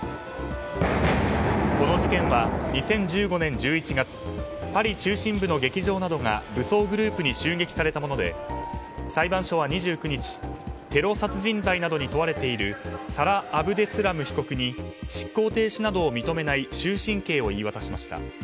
この事件は２０１５年１１月パリ中心部の劇場などが武装グループに襲撃されたもので裁判所は２９日テロ殺人罪などに問われているサラ・アブデスラム被告に執行停止などを認めない終身刑を言い渡しました。